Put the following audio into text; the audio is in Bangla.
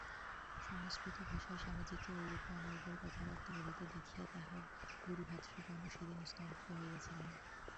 সংস্কৃতভাষায় স্বামীজীকে ঐরূপে অনর্গল কথাবার্তা বলিতে দেখিয়া তাঁহার গুরুভ্রাতৃগণও সেদিন স্তম্ভিত হইয়াছিলেন।